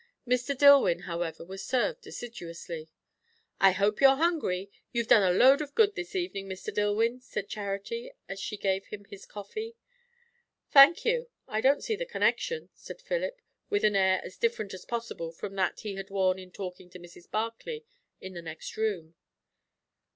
Mr. DilIwyn, however, was served assiduously. "I hope you're hungry! You've done a load of good this evening, Mr. Dillwyn," said Charity, as she gave him his coffee. "Thank you. I don't see the connection," said Philip, with an air as different as possible from that he had worn in talking to Mrs. Barclay in the next room.